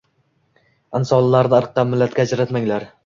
Insonlarni irqqa, millatga ajratmanglar